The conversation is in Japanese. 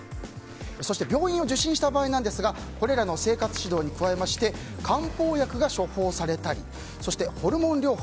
そして、病院を受診した場合はこれらの生活指導に加えて漢方薬が処方されたりそしてホルモン療法。